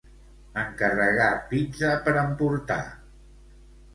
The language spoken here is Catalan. Encarregar pizza per emportar.